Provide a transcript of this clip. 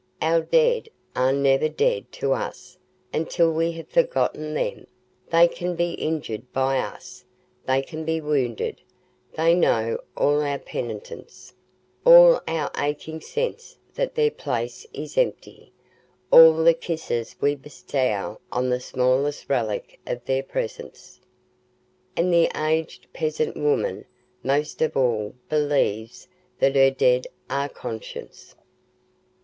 Our dead are never dead to us until we have forgotten them: they can be injured by us, they can be wounded; they know all our penitence, all our aching sense that their place is empty, all the kisses we bestow on the smallest relic of their presence. And the aged peasant woman most of all believes that her dead are conscious.